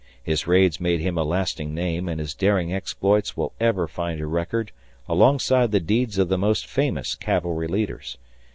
His raids made him a lasting name and his daring exploits will ever find a record alongside the deeds of the most famous cavalry leaders.